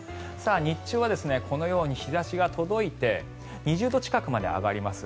日中はこのように日差しが届いて２０度近くまで上がります。